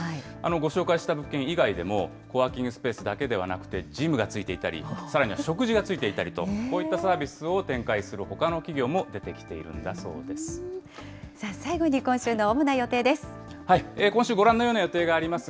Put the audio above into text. ご紹介した物件以外でも、コワーキングスペースだけではなくて、ジムがついていたり、さらには食事がついていたりと、こういったサービスを展開するほかの最後に今週の主な予定です。